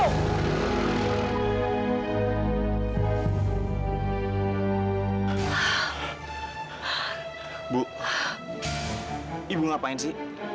ibu ibu ngapain sih